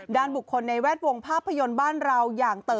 บุคคลในแวดวงภาพยนตร์บ้านเราอย่างเต๋อ